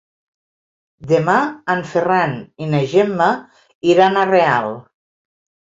Demà en Ferran i na Gemma iran a Real.